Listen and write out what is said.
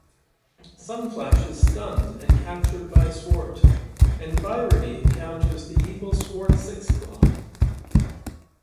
Sunflash is stunned and captured by Swartt, and Bryony encounters the evil Swartt Sixclaw.